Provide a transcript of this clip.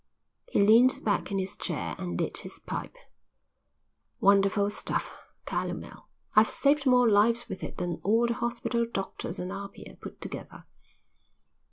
He leaned back in his chair and lit his pipe. "Wonderful stuff, calomel. I've saved more lives with it than all the hospital doctors at Apia put together."